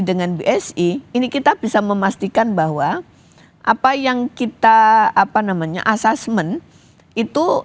dengan bsi ini kita bisa memastikan bahwa apa yang kita apa namanya asesmen itu